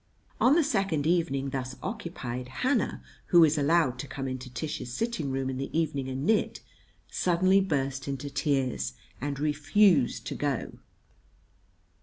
On the second evening thus occupied, Hannah, who is allowed to come into Tish's sitting room in the evening and knit, suddenly burst into tears and refused to go.